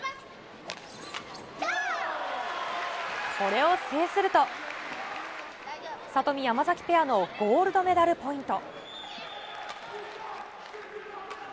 これを制すると里見・山崎ペアのゴールドメダルポイント。